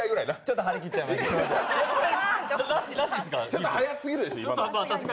ちょっと早すぎるでしょ、今。